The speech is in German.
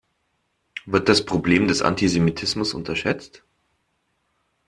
Wird das Problem des Antisemitismus unterschätzt?